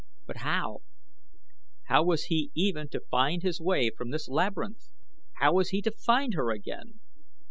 But how? How was he even to find his way from this labyrinth? How was he to find her again?